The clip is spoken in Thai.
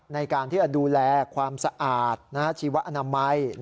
ในการที่จะดูแลความสะอาดชีวอนามัย